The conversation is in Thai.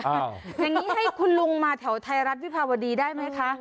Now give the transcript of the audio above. อย่างนี้ให้คุณลุงมาแถวไทยรัฐวิภาวดีได้ไหมคะ